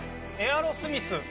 エアロスミス。